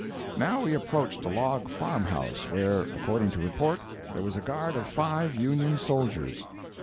Now we approached a log farm house where, according to report, there was a guard of five Union soldiers.